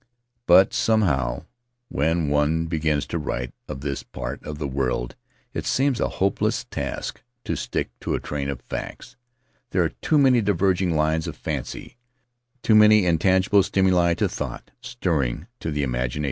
But somehow, when one begins to write of this part of the world it seems a hopeless task to stick to a train of facts — there are too many diverging lines of fancy; too many intangible stimuli to thought, stirring to the imagination.